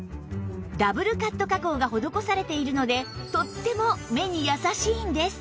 ダブルカット加工が施されているのでとっても目に優しいんです